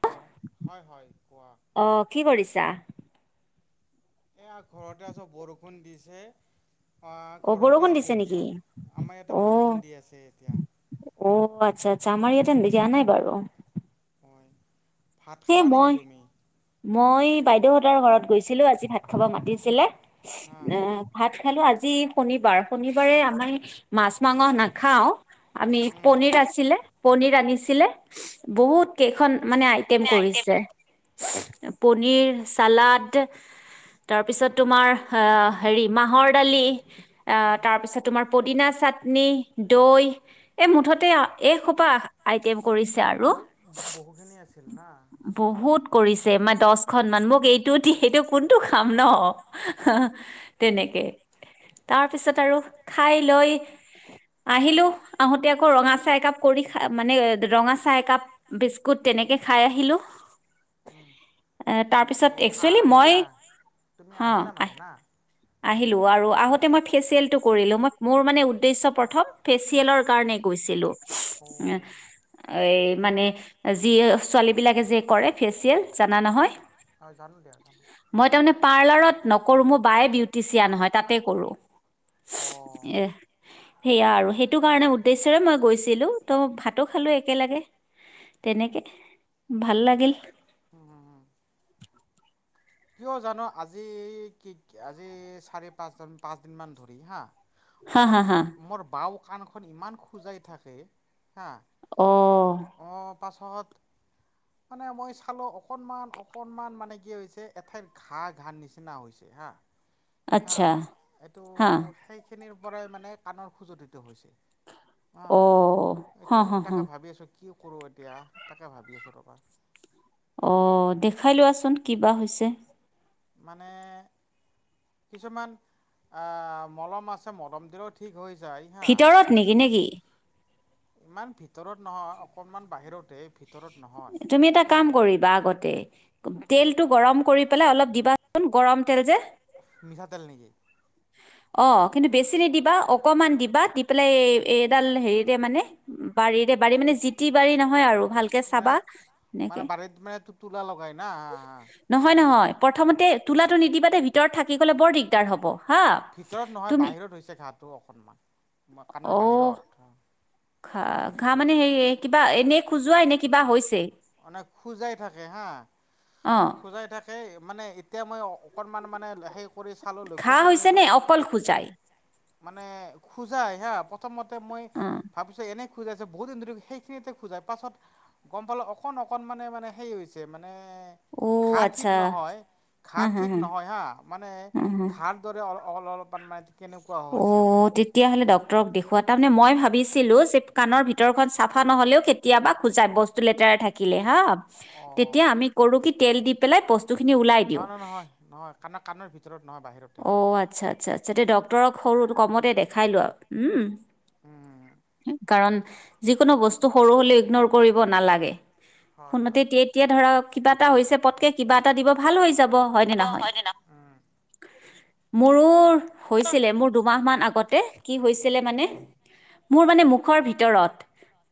Hello, হয় - হয়। কোৱা অহ, কি কৰিছা? এয়া ঘৰতে আছো বৰষুণ দিছে। অহ, অ ঘৰতে বৰষুণ দিছে আছো এতিয়া নেকি আমাৰ ইয়াতে বৰষুণ দি আছে এতিয়া। অহ, আচ্ছা -আচ্ছা আমাৰ ইয়াতে দিয়া নাই বাৰু। হয় ভাত সেই খালা নেকি মই তুমি? মই, বাইদেউহতৰ ঘৰত গৈছিলো আজি ভাত খাব মাতিছিলে হা এ'ভাত খালো আজি আজি শনিবাৰ- শনিবাৰে আমাৰ মাছ, মাংস নাখাও। আমি উম পনীৰ আছিলে, পনীৰ আনিছিলে বহুত কেইখন মানে আইটেম কৰিছে পনীৰ চালাড, তাৰ পিছত তোমাৰ আহ হেৰি মাহৰ দালি আহ উম তাৰ পিছত তোমাৰ পদিনা চাটনি, দৈ এই মুঠতে এই খোপা আইটেম কৰিছে আৰু ব বহুখিনি আছিল না বহুত কৰিছে মই দচখন মান মোক এইটো দি হেইটো কোনটো খাম ন' তেনেকে। তা তাৰ পিছত আৰু খাই লৈ আহিলো আহোতে আকৌ ৰঙা -চাহ একাপ কৰি মানে ৰঙা- চাহ একাপ বিস্কুট তেনেকে খাই আহিলো। এ' তাৰ পিছত অঁ একচুৱেলি মই আহিলা তুমি হ' আহিলা মানে আহ না উম। আহিলো আৰু আহোতে মই ফেচিয়েলটো কৰিলো মই মোৰ মানে উদ্দেশ্য প্ৰথম ফেচিয়েলৰ কাৰণে গৈছিলো মানে যি ছোৱালীবিলাকে যে কৰে। ফেচিয়েল জানা নহয় অ' জানো দিয়া জানো মই তাৰমানে পাৰ্লাৰত নকৰো মোৰ বাই বিউ টিচিয়ান হয় তাতেই কৰোঁ। অ' এ' সেয়া আৰু সেইটো কাৰণে উদ্দেশ্য়ৰে মই গৈছিলো ত' ভাতো খা খালোঁ একেলগে। তেনেকে, ভাল লাগিল। উম, উম, উম। কিয় জানো আজি কি আজি চাৰি- পাঁচ -পাঁচ দিন মান ধৰি হা হা হা মোৰ- হা মোৰ বাও কাণখন ইমান খোজাই থাকে অহ তাৰপাছত মানে মই চালোঁ অকণমান অকণমান মানে কি হৈছে এঠাইৰ ঘাঁ ঘাৰ নিচিনা হৈছে হা, আচ্ছা আহ এইটো, হা সেইখিনিৰ পৰাই মানে কাণৰ খুজুতিটো হৈছে। অ হা এতিয়া হা মই হা। তাকে ভাবি আছোঁ কি কৰো এতিয়া তাকে ভাবি আছো ৰবা। অ দেখাই লোৱাচোন কিবা হৈছে? মানে কিছুমান আহ মলম আছে মলম দিলেও ঠিক হৈছে ভিতৰত নেকি নেকি। ইমান ভিতৰত নহয় অকনমান বাহিৰতে ভিতৰত নহয় তুমি এটা হা কাম কৰিবা আগতে কি তেলটো গৰম কৰি পেলাই অলপ দিবা, গৰম তেল যে, মিঠাতেল নিকি? অ কিন্তু বেছি নিদিবা অকমান দিবা দি পেলাই আহ এ এডাল হেৰিৰে মানে বাৰীৰে বাৰী মানে জিতি বাৰী নহয় আৰু ভালকে মানে চাবা এনেকে। মানে বাৰীত [unintelligible] তুলাটো নিদিবা দেই, ভিতৰত থাকি গ'লে বৰ দিগদাৰ হ'ব। হা ভিতৰত নহয় তুমি বাহিৰত হৈছে ঘাঁহটো অকনমান কাণৰ অ' বাহিৰত। ঘা ঘা ভিতৰত মানে হেৰি কিবা এনেই খোজুৱাই নে কিবা হৈছে? মানে খোজাই থাকে হা অঁ খোজাই থাক সেই মানে এতিয়া মই অকণমান মানে সেই কৰি চালোঁ লক্ষ্য ঘা কৰি হৈছে নে চাইছোঁ অকল খোজাই? মানে খোজাই হা প্ৰথমতে মই অঁ ভাবিছো এনে। খোজাইছে বহুত দিন ধৰি সেইখিনিতে খোজাই পাছত গম পালো অকণ অকন মানে সেই হৈছে মানে অ' ঘাঁ আচ্ছা ঠিক নহয়। হা ঘাঁ হা ঠিক নহয় হা, মানে ঘাঁৰ দৰে অল অলপান মানে কেনেকুৱা অ হৈছে মানে তেতিয়াহলে অ'। ড্ক্তৰক দেখুৱাত তাৰ মানে মই ভাবিছিলো যে কাৰণ ভিতৰখন চাফা নহ'লেও কেতিয়াবা খোজাই বস্তু লেতেৰা থাকিলে। হা তেতিয়া অ' আমি কৰো কি তেল দি পেলাই বস্তুখিনি ওলাই দিওঁ নহ নহয় নহয় কাণ কাণৰ ভিতৰত নহয় বাহিৰতে। বতৰক সৰু কমতে দেখাই লোৱা উম। উম। কাৰণ যিকোনো বস্তু সৰু হলেও ইগনৰ কৰিব নালাগে। হয় ফোনতে হয়। এতিয়া ধৰক কিবা এটা হৈছে পতকে কিবা এটা দিব ভাল হৈ যাব। হয় নে নহয়। উম, মোৰো হৈছিলে মোৰ দুমাহ মান আগত। কি হৈছিলে মানে মোৰ মানে মুখৰ ভিতৰত।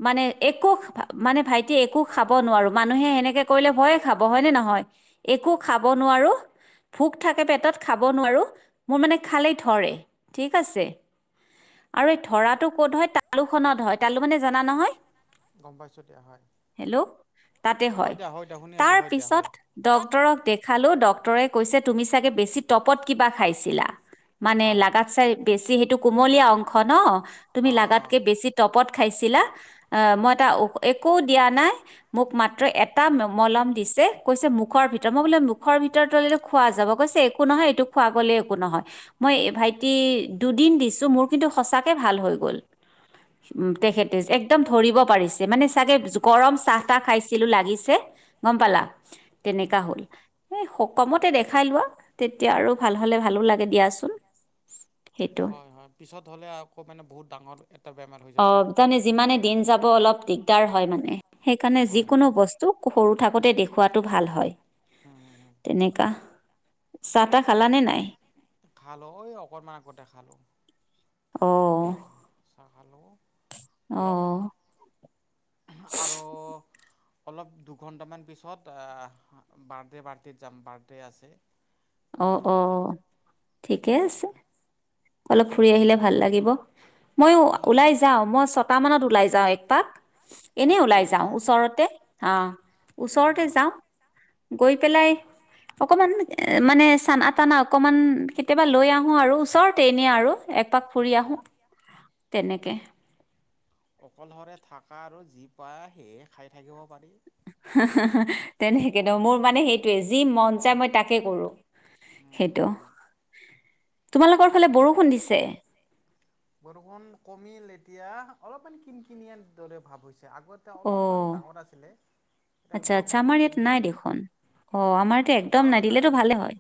মানে একো মানে ভাইটিয়ে একো খাব নোৱাৰো মানুহে সেনেকে কৰিলে ভয়ে খাব হয় নে নহয়। একো খাব নোৱাৰো ভোক থাকে পেটত খাব নোৱাৰো মোৰ মানে খালেই- ধৰে থিক আছে আৰু ধৰাটো ক'ত হয় তালু খনত হয়। তালু মানে জানা নহয়? গম পাইছোঁ দিয়া হয়, হেল্ল' তাতে হয়। দিয়া দিয়া শুনি আছোঁ তাৰ হয় দিয়া হয়, পিছত ড্ক্তৰক দেখালো ডক্টৰে কৈছে তুমি চাগে বেছি টপত, কিবা খাইছিলা মানে হয়। লাগাত চাই বেছি সেইটো কুমলীয়া অংশ ন - তুমি অ' লাগাতকে বেছি তপত খাইছিলা? অ মই এটা একো দিয়া নাই মোক মাত্ৰ এটা মলম দিছে কৈছে, মুখৰ ভিতৰত মই বোলে মুখৰ ভিতৰত তলেতো খোৱা যাব কৈছে একো নহয় এইটো খোৱা গলে একো নহয়। মই ভাইটি দুদিন দিছো মোৰ কিন্তু সঁচাকে ভাল হৈ গ'ল। উ উম। তেখেতে একদম ধৰিব। পাৰিছে মানে চাগে গৰম চাহ তাহ খাইছিলো লাগিছে গম পালা। উম, তেনেকা হল এ কমতে দেখাই লোৱা, তেতিয়া আৰু ভাল হলে ভালো লাগে দিয়াচোন। আচল [unintelligible] হয় হয় পিছত হ'লে আকৌ মানে বহুত ডাঙৰ এটা বেমাৰ হৈ অ যাব পাৰে। তাৰমানে যিমানে দিন যাব অলপ দিগদাৰ হয় মানে। সেইকাৰণে হয় যিকোনো হয় বস্তু সৰু থাকোতে দেখুৱাটো ভাল হয়। উম উম উম তেনেকা চাহ তাহ খালানে নাই? খালো ঐ অকণনমান আগতে খালো। অ। অ। অলপ আৰু অলপ দুঘণ্টামান পিছত আ বাৰ্থডে পাৰ্টিত যাম বাৰ্থডে' আছে। অ উম অ ঠিকেই আছে। বাৰ্থডে অলপ ফুৰি আহিলে ভাল লাগিব। মই কিনো ওলাই যাওঁ মই ছটা মানত ওলাই যাওঁ একপাক। এনে ক'ত ওলাই ক'লৈ যাওঁ যোৱা ওচৰতে। অ ওচৰতে উম যাওঁ গৈ পেলাই অকমান মানে চানা টানা অকমান কেতিয়াবা লৈ আহো আৰু ওচৰত তেনে আৰু একপাক ফুৰি উম আহো তেনেকে। অকলশৰে থাকা আৰু যি পোৱা সেয়ে খাই থাকিব পাৰি সে তেনেকুৱা সেই সে তেনেক নো মোৰ মানে সেইটোয়ে যি মন যায় মই তাকে কৰো। সেইটো তোমালোকৰ ফালে বৰষুণ দিছে। বৰষুণ কমিল এতিয়া অলপমান কিন কিনিয়াৰ দৰে ভাৱ হৈছে। আগতে অ অলপমান ডাঙৰ আছিলে। এতিয়া আচ্ছা আচ্ছা বৰষুণটো আমাৰ ইয়াত কমিল নাই দেখোন। অ আমাৰ ইয়াত একদম নাই গাঁৱত দিলেতো ভালে হয়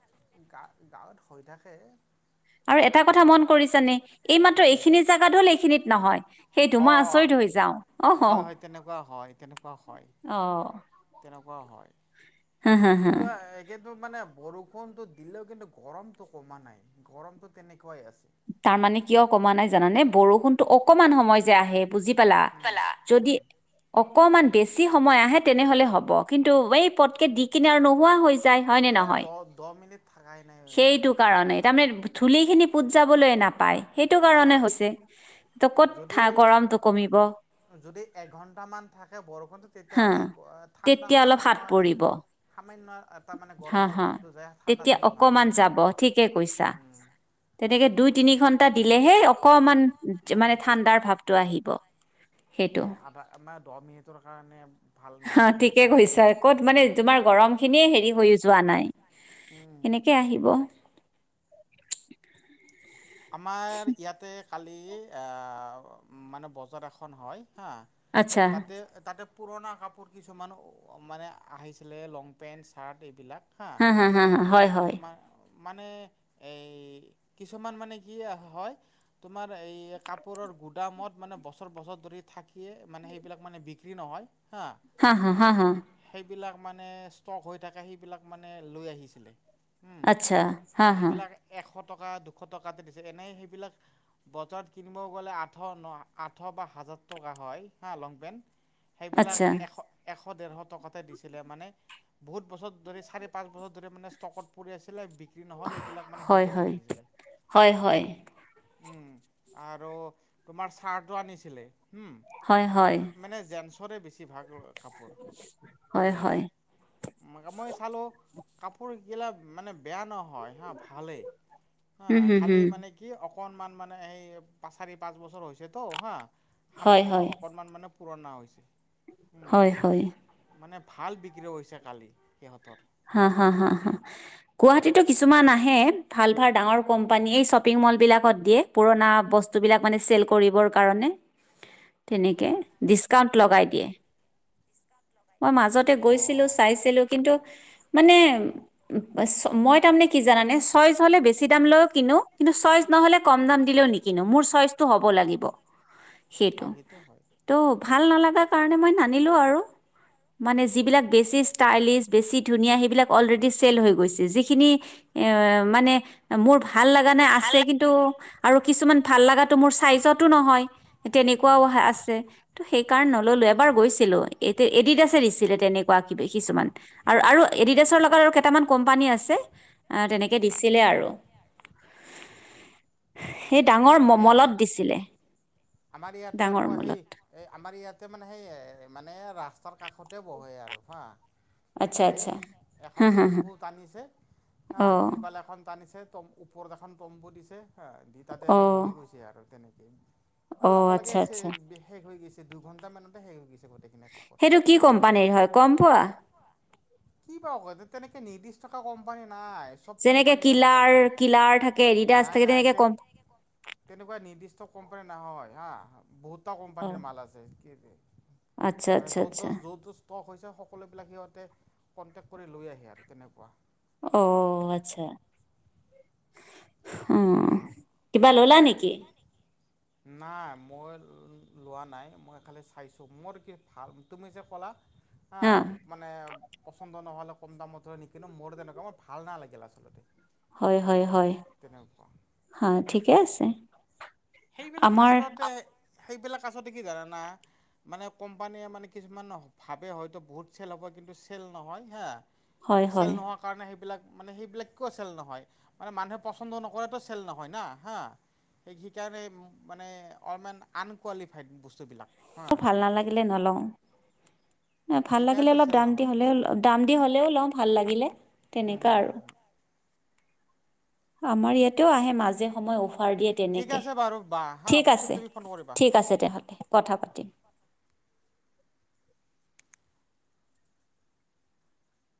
গা গাঁৱত হৈ থাকে। আৰু এটা কথা মন কৰিছানে এই মাত্ৰ কি এইখিনি জেগাত হ'ল এইখিনিত নহয় সেইটো মই আচৰিত হৈ যাওঁ। অহ। এনেকুৱা হয়। অহ। তেনেকুৱাও হয় হা কিন্তু একে মানে বৰষুণতটো দিলেও কিন্তু গৰমটো কমা নাই গৰমটো তেনেকুৱাই আছে। তাৰমানে কিয় কমা নাই জানানে বৰষুণতো অকমান সময় যে আহে বুজি পালা উম যদি উম অকমান বেছি সময় আহে তেনেহলে হ'ব কিন্তু এই পটকে দি কিনে আৰু নোহোৱা হৈ যায়। হয় নে এ নহয় দহ দহ মিনিট থাকাই নাই সেইটো কাৰণে বৰষুণটো তাৰ মানে ধুলি খিনি ক নাপায় সেইটো কাৰণে অঁ হৈছে ত ক'ত থ যদি গৰমটো কমিব। যদি এঘণ্টামান থাকে বৰষুণটো হা তেতিয়াহ'লে ঠাণ্ডা তেতিয়া অলপ হাত সামান্য পৰিব সামান্য এটা মানে হা গৰমৰ হা ভাৱটো যায় ঠাণ্ডা তেতিয়া ঠাণ্ডা ভাৱ অকমান আহিব। উম অকমান ঠিকে যাব কৈছা ঠিকেই কৈছে। তেনেকে দুই তিনি ঘন্টা দিলেহে অকমান মানে ঠাণ্ডাৰ ভাৱটো আহিব। সেইটো এ আধা মাৰ দহ মিনিটৰ কাৰণে ভাল হা নাথাকেই ঠিকে ভালকে। কৈছা ঠিকেই ক'ত মানে কৈছা। তোমাৰ গৰম খিনিয়ে হেৰি হৈ যোৱা নাই উম, সেনেকে আহিব। আমাৰ ইয়াতে কালি আ মানে বজাৰ এখন হয় হা আচ্ছা তাতে তাতে পুৰণা কাপোৰ কিছুমান মানে আহিছিলে লং পেণ্ট চাৰ্ট এইবিলাক হা হা-হা - হা -হা হয়-হয়। মা মানে এই কিছুমান মানে হিএ হয় তোমাৰ এই কাপোৰৰ গুদামত মানে বছৰ বছৰ ধৰি থাক দিয়ে মানে সেইবিলাক মানে বিক্ৰী নহয় হা হা হা হা। সেইবিলাক মানে ষ্টক হৈ থাকে সেইবিলাক মানে লৈ আহিছিলে। আচ্ছা হা- হা। সেইবিলাক এশ টকা দুশ টকা কাটি দিছে এনে সেইবিলাক বজাৰত কিনিব গ'লে আঠ ন আঠ বা হাজাৰ টকা হয়। হা লং পেন্ সেইবিলাক আচ্ছা এশ এশ। এশ দেৰশ টকাতে দিছিলে মানে বহুত বছৰ ধৰি চাৰি পাঁচ বছৰ ধৰি মানে ষ্টকত পৰি আছিলে নহ'ল সেইবিলাক মানে হয় সিহঁতে লৈ হয় আহিছিলে। [unintelligible] উম আৰু তোমাৰ চাৰ্টো আনিছিলে উম হয় হয় মানে জেন্ছৰে বেছি ভাগ লয়। কাপোৰ হয় উম হয় ম মই চালো কাপোৰগিলা মানে বেয়া নহয় হা ভালেই হা হুম হুম খালি হুম মানে কি। অকণমান মানে সেই চাৰি পাঁচ বছৰ হৈছেতো হা হয় সামান্য হয় অকণমান মানে পুৰণা হৈছে। উম হয় হয়। মানে ভাল বিক্ৰী হৈছে কালি সিহঁতৰ। হা হা হা হা গুৱাহাটীতো কিছুমান আহে ভাল ভাল ডাঙৰ কোম্পানী শ্বপিং। মাল বিলাকত দিয়ে পুৰণা বস্তু বিলাক মানে চেল কৰিবৰ কাৰণে। তেনেকে ডিচকাউন্ট লগাই দিয়ে। মই মাজতে গৈছিলো অঁ চাইছিলো কিন্তু, মানে মই তাৰ মানে কি জানানে ছয় জ হলে বেছি দামলৈও কিনো কিন্তু ছয়শ নহলে কম দাম দিলেও নিকিনো মোৰ ছয়শ টো হব লাগিব। সেইটো আৰু হয় ত' ভাল নালাগে। তা কাৰণে মই নানিলো আৰু মানে যিবিলাক বেছি ইষ্টায়লিছ বেছি। ধুনীয়া সেইবিলাক অলৰেডি চেল হৈ গৈছে যিখিনি এ মানে মোৰ ভা। ভাল লগা নে আছে কিন্তু আৰু কিছুমান ভাল লগাটো মোৰ চাইজতো নহয় তেনেকুৱাও। উম আছে ত সেইকাৰণ নললোৱে। এবাৰ গৈছিলো এতি এডিড আছে দিছিলে তেনেকুৱা কি কিছুমান আৰু আৰু অঁ এডিডাছৰ লগত আৰু কেইটামান কোম্পানী আছে তেনেকে দিছিলে আৰু [inaudible] সেই ডাঙৰ ম আমাৰ ইয়াতে মলত দিছিলে ডাঙৰ মলত তই মানে সেই মানে ৰাস্তাৰ কাষতে বহে আৰু হা আচ্ছা তাতে আচ্ছা হা এখন হা হা তম্বু টানিছে হা অ ত্ৰিপাল এখন টানিছে। তম ওপৰত এখন তম্বু দিছে হা দি তাতে অ আৰু বহি গৈছে আৰু তেনেকেই। অঁ অ লগে লগে আচ্ছা চে আচ্ছা শেষ হৈ গৈছে দুঘন্টা মানতে শেষ হৈ গৈছে। সেইটো কি কোম্পানীৰ হয় গম পোৱা [unintelligible] কি ব ক তেনেকে নিৰ্দিষ্ট থকা কোম্পানী। নাই চব যেনেকে কোম্পানীৰে মাল আছে কিলাৰ- কিলাৰ থাকে ৰিদাছ নাই নাই তেনেকে তে কম তেনেকুৱা নিৰ্দিষ্ট কোম্পানী নহয় হা বহুত অ কোম্পানীৰ মাল আছে কি আচ্ছা মানে আচ্ছা যদ আচ্ছা যদ যদ যদ ষ্টক হৈছে। সকলোবলাক সিহতে কণ্টেক কৰি লৈ আহে আৰু তেনেকুৱা। অঁহ, আচ্ছা উম। কিবা ল'লা নেকি নাই, মই লোৱা নাই মই খালি চাইছো মোৰ কি ভাল তুমি যে কলা হা মানে পচন্দ নহলে কম দামত নিকিনো কিন্তু মোৰ তেনেকুৱা মোৰ ভাল নালাগে লাগিল আচলতে হয় উম, -হয় -হয় তেনেকুৱা -হয় ঠিকে আছে। সেইবিলাক আমাৰ আচলতে সেইবিলাক আচলতে কি জানানা। মানে কোম্পানীয়ে মানে কিছুমান ভাবে হয়তো বহুত চেল হ'ব কিন্তু চেল নহয় হা। হয় চেল হয় নোহোৱাৰ কাৰণে সেইবিলাক মানে সেইবিলাক কওঁ চেল নহয় মানে মানুহে পচন্দ নকৰেতো চেল নহয় না হা সেই ইয়াৰ সেই মানে অৰ্মেন আনকুৱালিফাইড বস্তুবিলাক। তো হা ভাল নালাগিলে নলওঁ। ন ভাল লাগিলে সেইকাৰণেতো অলপ চেল দাম দি নহয়। হ'লে দাম দি হ'লেও লওঁ ভাল লাগিলে তেনেকুৱা আৰু আমাৰ ইয়াতেও আহে মাজে সময়ে অফাৰ দিয়ে ঠিক তেনেকে। আছে বাৰু বা হা ঠিক পিছত আছে তুমি ফোন কৰিবা। -ঠিক আছে তেনেহ'লে কথা অ'কে। পাতিম।